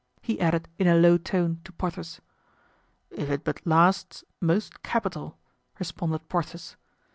he added in a low tone to Porthos. "If it but lasts, most capital," responded Porthos.